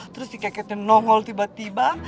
terus si keketnya nongol tiba tiba